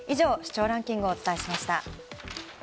以上、視聴ランキングをお伝えしました。